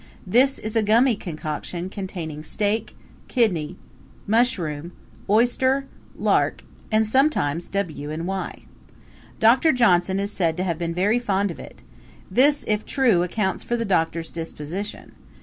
This is a gummy concoction containing steak, kidney, mushroom, oyster, lark and sometimes W and Y. Doctor Johnson is said to have been very fond of it; this, if true, accounts for the doctor's disposition.